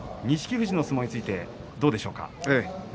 富士の相撲についてどうでしょうか。